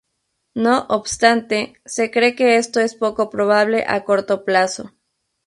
No obstante, se cree que esto es poco probable a corto plazo.